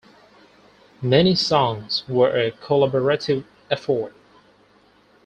Many songs were a collaborative effort.